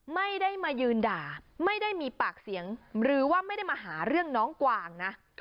ไม่ได้มายืนด่าไม่ได้มีปากเสียงหรือว่าไม่ได้มาหาเรื่องน้องกวางนะ